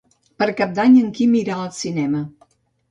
Per Cap d'Any en Quim irà al cinema.